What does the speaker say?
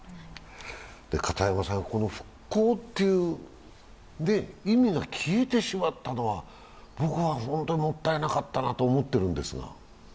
片山さん、復興という意味が消えてしまったのは、僕は本当にもったいなかったなと思っているんですが。